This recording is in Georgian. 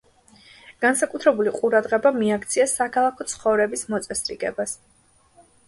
განსაკუთრებული ყურადღება მიაქცია საქალაქო ცხოვრების მოწესრიგებას.